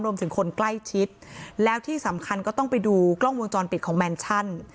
คนใกล้ชิดแล้วที่สำคัญก็ต้องไปดูกล้องวงจรปิดของแมนชั่น